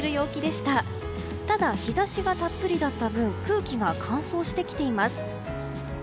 ただ日差しがたっぷりだった分空気が乾燥してきています。